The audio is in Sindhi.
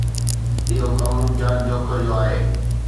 اهو ڪم جان جو کوهه جو آهي